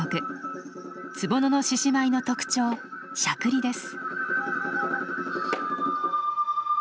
坪野の獅子舞の特徴しゃくりです。